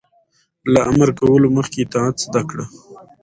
- له امر کولو مخکې اطاعت زده کړه.